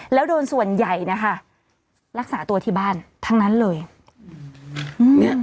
แล้วโดนส่วนใหญ่นะคะรักษาตัวที่บ้านทั้งนั้นเลย